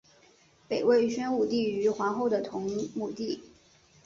北魏宣武帝于皇后的同母弟。